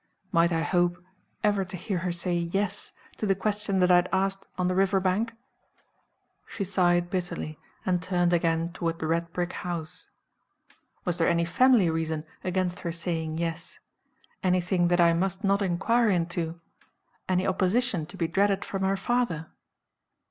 Might I hope ever to hear her say "Yes" to the question that I had asked on the riverbank? She sighed bitterly, and turned again toward the red brick house. Was there any family reason against her saying "Yes"? Anything that I must not inquire into? Any opposition to be dreaded from her father?